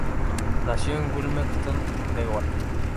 Nació en Wilmington, Delaware.